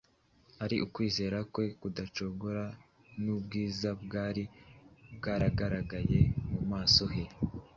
ari ukwizera kwe, kudacogora n’ubwiza bwari bwaragaragaye mu maso he;